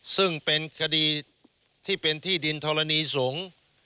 ซึ่งเป็นคดีที่เป็นที่ดินธรณีสงฆ์